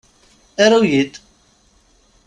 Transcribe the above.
Aru-yi-d!